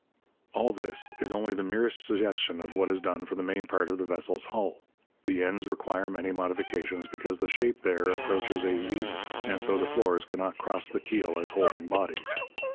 All this is only the merest suggestion of what is done for the main part of the vessel's hull. The ends require many modifications, because the shape there approaches a V, and so the floors cannot cross the keel as holding bodies.